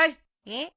えっ？